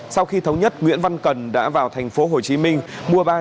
sau khi thống nhất nguyễn văn cần đã vào thành phố hồ chí minh mua ba trăm tám mươi viên